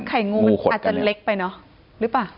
ไข่งูมันอาจจะเล็กไปเนอะหรือเปล่า